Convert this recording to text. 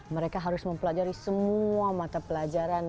mereka harus mempelajari semua mata pelajaran